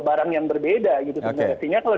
barang yang berbeda gitu sebenarnya kalau